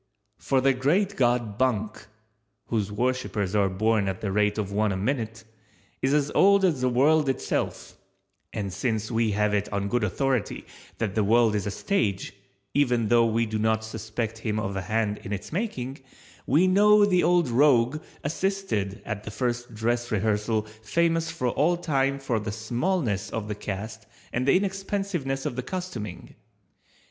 For the Great God Bunk (whose worshipers are born at the rate of one a minute) is as old as the world itself; and since we have it on good authority that the world is a stage, even though we do not suspect him of a hand in its making, we know the old rogue assisted at the first dress rehearsal famous for all time for the smallness of the cast and the inexpensiveness of the costuming.